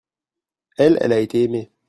elle, elle a été aimée.